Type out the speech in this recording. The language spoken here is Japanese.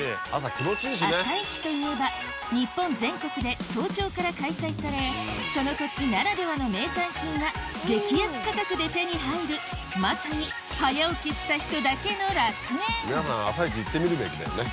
朝市といえば日本全国で早朝から開催されその土地ならではの名産品が激安価格で手に入るまさに早起きした人だけの楽園皆さん朝市行ってみるべきだよね。